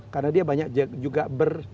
karena dia banyak juga ber